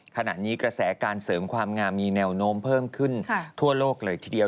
ขณะนี้กระแสการเสริมความงามมีแนวโน้มเพิ่มขึ้นทั่วโลกเลยทีเดียว